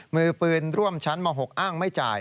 มือปืนร่วมชั้นม๖อ้างไม่จ่าย